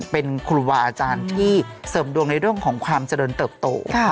เป็นครูวาอาจารย์ที่เสริมดวงในเรื่องของความเจริญเติบโต